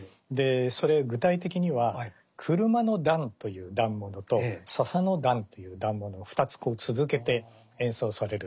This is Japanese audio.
それ具体的には車之段という段物と笹之段という段物２つ続けて演奏されるんです。